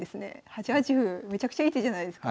８八歩めちゃくちゃいい手じゃないですか。